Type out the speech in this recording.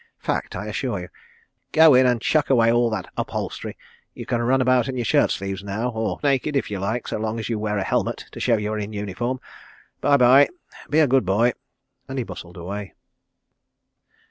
... Fact—I assure you. ... Go in and chuck away all that upholstery—you can run about in your shirt sleeves now, or naked if you like, so long as you wear a helmet to show you are in uniform. ... Bye bye—be a good boy," and he bustled away.